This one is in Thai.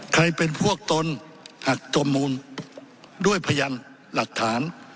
ใครเป็นพวกตนหากจมมูลด้วยพยานหลักฐาน